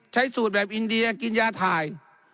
ใช้สูตรแบบอินเดียกินยาถ่าย